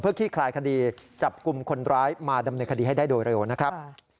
ขี้คลายคดีจับกลุ่มคนร้ายมาดำเนินคดีให้ได้โดยเร็วนะครับ